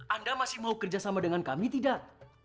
anda masih mau kerjasama dengan kami tidak